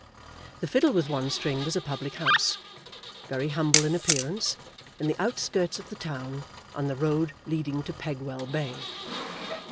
The "Fiddle with One String" was a public house, very humble in appearance, in the outskirts of the town, on the road leading to Pegwell Bay.